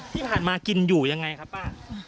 ที่ผ่านมากินอยู่ยังไงครับป้า